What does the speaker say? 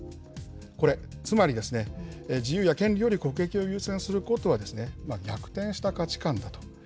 これ、つまりですね、自由や権利より国益を優先することは、逆転した価値観だと。